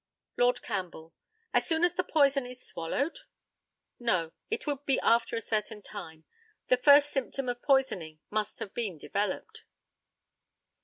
Lord CAMPBELL: As soon as the poison is swallowed? No; it would be after a certain time. The first symptoms of poisoning must have been developed.